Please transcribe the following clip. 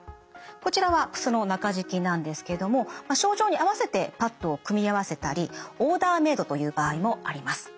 こちらは靴の中敷きなんですけども症状に合わせてパットを組み合わせたりオーダーメードという場合もあります。